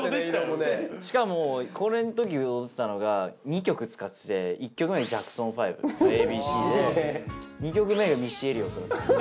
しかもこれのとき踊ってたのが２曲使ってて１曲目にジャクソン５『ＡＢＣ』で２曲目がミッシー・エリオット。